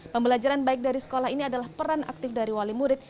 pembelajaran baik dari sekolah ini adalah peran aktif dari wali murid